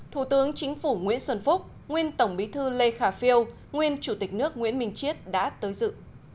thủ tướng chính phủ nguyễn xuân phúc nguyên tổng bí thư lê khả phiêu nguyên chủ tịch nước nguyễn minh chiết đã tới dự